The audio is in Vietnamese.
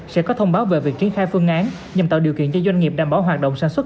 sẽ có thông báo về việc triển khai phương án nhằm tạo điều kiện cho doanh nghiệp đảm bảo hoạt động sản xuất